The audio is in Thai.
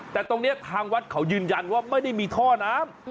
แต่ตรงนี้ทางวัดเขายืนยันว่าไม่ได้มีท่อน้ำ